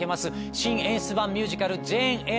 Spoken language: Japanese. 新演出版ミュージカル『ジェーン・エア』。